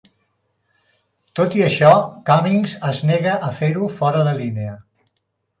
Tot i això, Cummings es nega a fer-ho fora de línia.